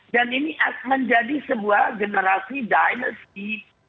dan ini menjadi sebuah generasi dinasti